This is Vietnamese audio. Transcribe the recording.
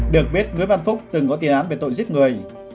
được biết nguyễn văn phúc từng có tiền án về tội giết người